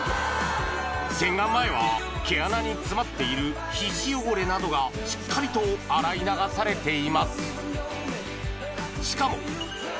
洗顔前は毛穴に詰まっている皮脂汚れなどがしっかりと洗い流されています